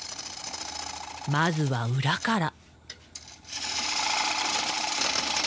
まずは裏から。